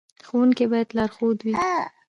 ښوونکی باید لارښود وي